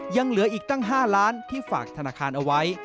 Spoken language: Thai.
ยังเหลืออีกตั้ง๕ล้านที่ฝากธนาคารเอาไว้